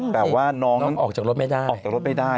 แบบว่าน้องออกจากรถไม่ได้